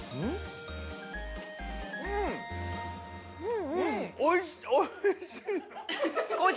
うんおいしおいしい。